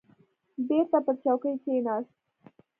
بېرته پر چوکۍ کښېناست.